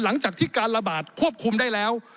หลังจากที่การระบาดควบคุมได้แล้ว